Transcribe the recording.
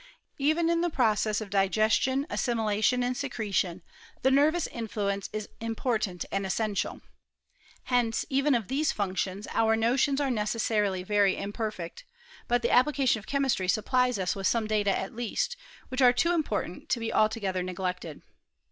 Even in the processes of digestion, as similation, and secretion, the nervous influence isi important and essential. Hence even of these func ■ tions our notions are necessarily very imperfect ; but the application of chemistry supplies us with some data at least, which are too important to be altoge ther neglected.